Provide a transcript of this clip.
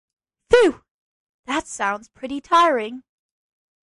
Phew! That sounds pretty tiring.